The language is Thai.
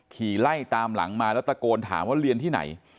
ขี่ไล่ตามหลังมาแล้วตะโกนถามว่าเรียนที่ไหน